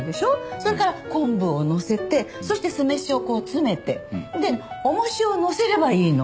それから昆布をのせてそして酢飯をこう詰めてで重しを乗せればいいの。